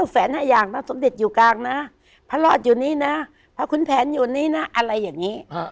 แฟน๕อย่างสมเด็จอยู่กลางเภะลอดอยู่นี้นะเภะคุณแผนอยู่นี้นะอะไรอย่างงี้